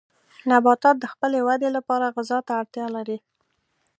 نباتات د خپلې ودې لپاره غذا ته اړتیا لري.